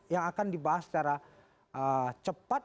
yang akan dibahas secara cepat